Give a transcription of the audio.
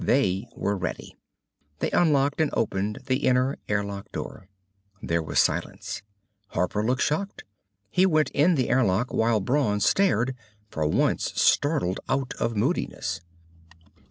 They were ready. They unlocked and opened the inner airlock door. There was silence. Harper looked shocked. He went in the airlock while Brawn stared, for once startled out of moodiness.